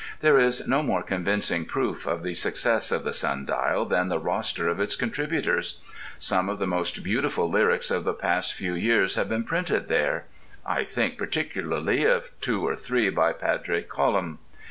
There is no more convincing proof of the success of the Sun Dial than the roster of its contributors. Some of the most beautiful lyrics of the past few years have been printed there (I think particularly of two or three by Padraic Colum).